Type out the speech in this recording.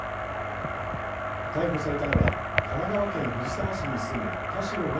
逮捕されたのは神奈川県藤沢市に住む田代芽衣